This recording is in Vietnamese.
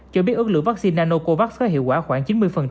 cho biết ước lượng vaccine nanocovax có hiệu quả khoảng chín mươi